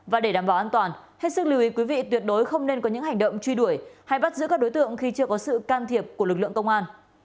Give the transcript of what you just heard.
và để đảm bảo an toàn hết sức lưu ý quý vị tuyệt đối không nên có những hành động truy đuổi hay bắt giữ các đối tượng khi chưa có sự can thiệp của lực lượng công an